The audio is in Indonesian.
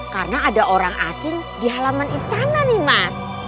karena ada orang asing di halaman istana nih mas